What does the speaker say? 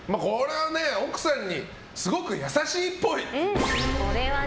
奥さんにすごく優しいっぽい。